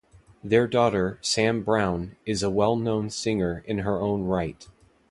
Their daughter Sam Brown is a well-known singer in her own right.